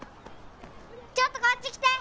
ちょっとこっち来て！